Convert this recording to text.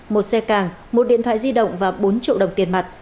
một xe càng một điện thoại di động và bốn triệu đồng tiền mặt